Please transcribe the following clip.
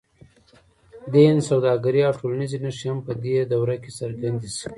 دین، سوداګري او ټولنیزې نښې هم په دې دوره کې څرګندې شوې.